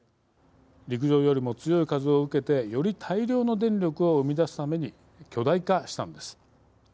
陸上よりも強い風を受けてより大量の電力を生み出すために巨大化したのです。